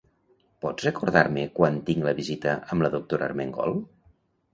Pots recordar-me quan tinc la visita amb la doctora Armengol?